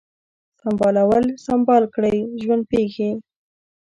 سمبالول ، سمبال کړی ، ژوند پیښې